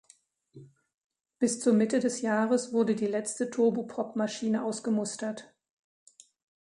Bis zur Mitte des Jahres wurde die letzte Turboprop-Maschine ausgemustert.